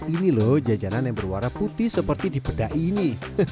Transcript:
ini loh jajanan yang berwarna putih seperti di peda ini